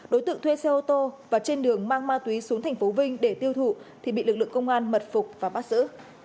đối tượng thuê xe ô tô và trên đường mang ma túy xuống tp vinh để tiêu thụ thì bị lực lượng công an mật phục và bắt giữ